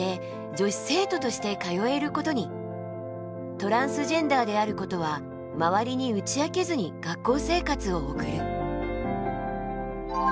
トランスジェンダーであることは周りに打ち明けずに学校生活を送る。